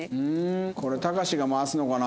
これたかしが回すのかな？